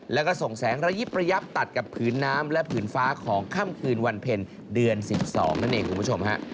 แล้วก็ส่งแสงระยิบระยับตัดกับผืนน้ำและผืนฟ้าของค่ำคืนวันเพ็ญเดือน๑๒นั่นเองคุณผู้ชมฮะ